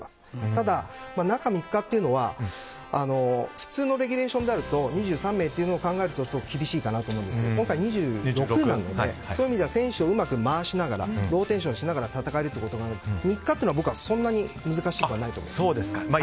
ただ、中３日というのは普通のレギュレーション２３名ということを考えると厳しいかなと思うんですけど今回２６なのでそういう意味では選手をうまくローテーションしながら戦えるということで３日というのはそんなに難しくないと思います。